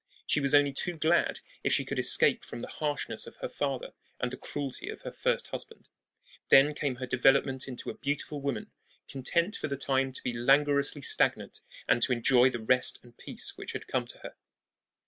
She was only too glad if she could escape from the harshness of her father and the cruelty of her first husband. Then came her development into a beautiful woman, content for the time to be languorously stagnant and to enjoy the rest and peace which had come to her.